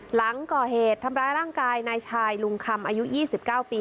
หลังก่อเหตุทำร้ายร่างกายนายชายลุงคำอายุ๒๙ปี